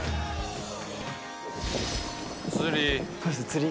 「釣り！」